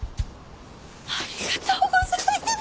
ありがとうございます！